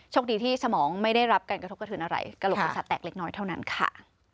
คดีที่สมองไม่ได้รับการกระทบกระเทินอะไรกระโหลกศีรษะแตกเล็กน้อยเท่านั้นค่ะ